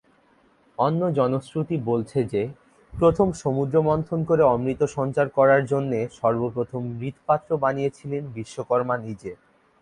অন্য জনশ্রুতি বলছে যে, প্রথম সমুদ্র মন্থন করে অমৃত সঞ্চার করার জন্যে সর্বপ্রথম মৃৎপাত্র বানিয়েছিলেন বিশ্বকর্মা নিজে।